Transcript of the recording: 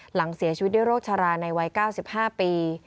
หลังเสียชีวิตด้วยโรคชราในวัย๙๕ปี